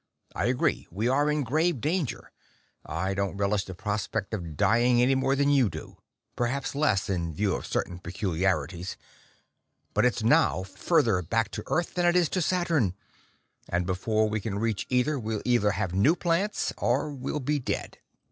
I agree we are in grave danger. I don't relish the prospect of dying any more than you do perhaps less, in view of certain peculiarities! But it's now further back to Earth than it is to Saturn. And before we can reach either, we'll have new plants or we'll be dead!"